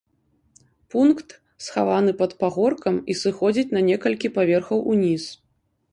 Пункт, схаваны пад пагоркам і сыходзіць на некалькі паверхаў уніз.